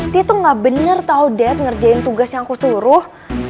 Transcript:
dia tuh gak bener tau dead ngerjain tugas yang aku suruh